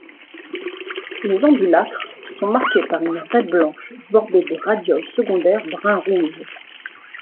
Les ambulacres sont marqués par une raie blanche bordée de radioles secondaires brun-rouge.